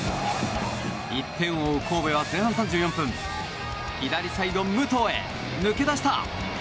１点を追う神戸は前半３４分左サイド、武藤へ抜け出した。